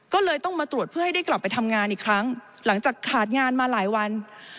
ก็เลยต้องมาตรวจเพื่อให้ได้กลับไปทำงานอีกครั้งหลังจากขาดงานมาหลายวัน